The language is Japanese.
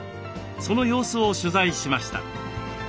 その様子を取材しました。